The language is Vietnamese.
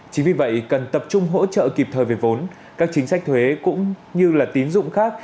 chính vì vậy cần tập trung hỗ trợ kịp thời về vốn các chính sách thuế cũng như là tín dụng khác